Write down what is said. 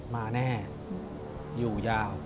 มาแน่อยู่ยาว